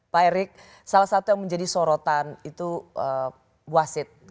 pak erik salah satu yang menjadi sorotan itu wasit